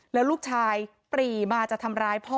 แล้วลูกชายปรีมาจะทำร้ายพ่อ